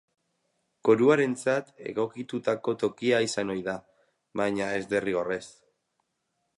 Koruarentzat egokitutako tokia izan ohi da, baina ez derrigorrez.